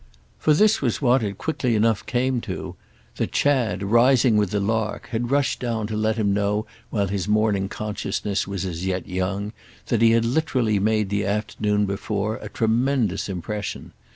For this was what it quickly enough came to—that Chad, rising with the lark, had rushed down to let him know while his morning consciousness was yet young that he had literally made the afternoon before a tremendous impression.